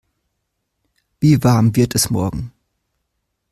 Wie warm wird es morgen?